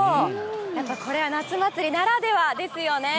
やっぱこれは夏祭りならではですよね。